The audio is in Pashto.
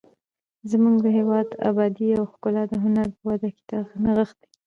زموږ د هېواد ابادي او ښکلا د هنر په وده کې نغښتې ده.